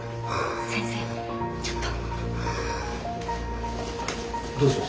先生ちょっと。